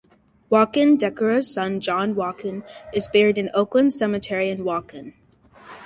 Waukon Decorah's son John Waukon is buried in Oakland Cemetery in Waukon.